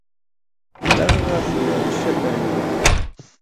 دغه غاښونه شل دانې وي.